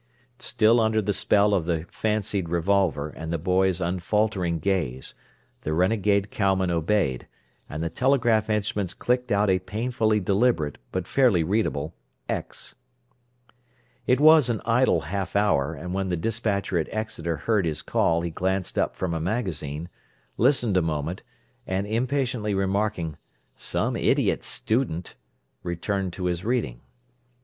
Still under the spell of the fancied revolver and the boy's unfaltering gaze, the renegade cowman obeyed, and the telegraph instruments clicked out a painfully deliberate, but fairly readable "X." It was an idle half hour, and when the despatcher at Exeter heard his call he glanced up from a magazine, listened a moment, and impatiently remarking, "Some idiot student!" returned to his reading.